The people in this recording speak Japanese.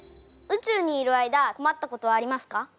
宇宙にいる間こまったことはありますか？